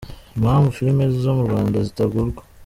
Impamvu film zo mu Rwanda zitagurwa.